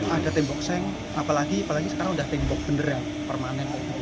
ada tembok seng apalagi sekarang udah tembok beneran permanen